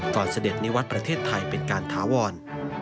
ตอนเสด็จในวัดประเทศไทยเป็นการถาวร